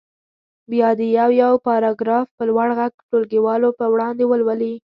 بیا دې یو یو پاراګراف په لوړ غږ ټولګیوالو په وړاندې ولولي.